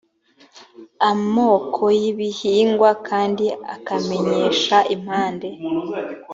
amoko y ibihingwa kandi akamenyesha impande